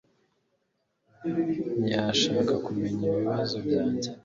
ntiyashakaga kumenya ibibazo byanjye.